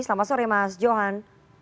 selamat sore mas johan